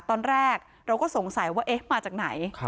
ตอนแรกเราก็สงสัยว่าเอ๊ะมาจากไหน